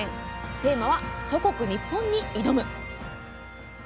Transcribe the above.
テーマは「祖国ニッポンに挑む」。